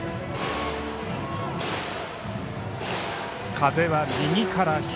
風は右から左。